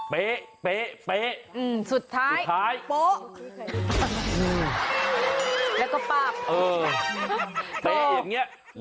เผ๊เบ